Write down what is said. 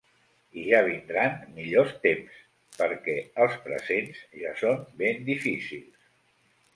I ja vindran millors temps, perquè els presents ja són ben difícils!